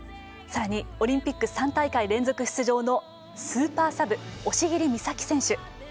さらにオリンピック３大会連続出場のスーパーサブ、押切美沙紀選手。